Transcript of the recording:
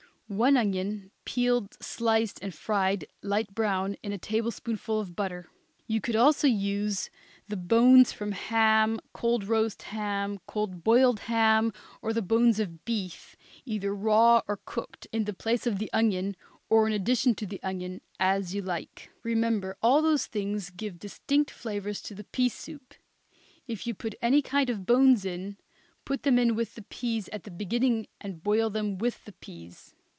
One onion, peeled, sliced, and fried light brown in a tablespoonful of butter. You could also use the bones from ham, cold roast ham, cold boiled ham, or the bones of beef either raw or cooked, in the place of the onion, or in addition to the onion, as you like. Remember all those things give distinct flavors to the pea soup. If you put any kind of bones in, put them in with the peas at the beginning and boil them with the peas.